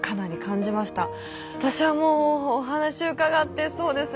私はもうお話を伺ってそうですね